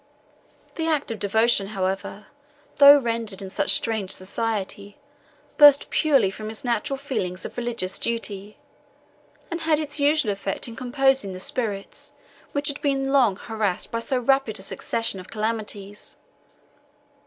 The act of devotion, however, though rendered in such strange society, burst purely from his natural feelings of religious duty, and had its usual effect in composing the spirits which had been long harassed by so rapid a succession of calamities.